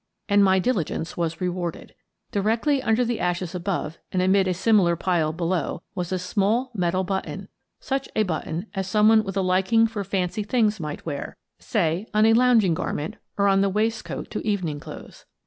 And my diligence was rewarded. Directly under the ashes above and amid a similar pile below, was a small metal button — such a button as some one with a liking for fancy things might wear, say, on a lounging garment or on the waistcoat to evening clothes.